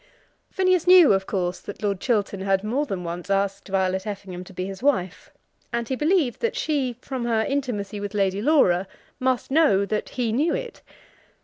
Phineas knew, of course, that Lord Chiltern had more than once asked Violet Effingham to be his wife, and he believed that she, from her intimacy with Lady Laura, must know that he knew it.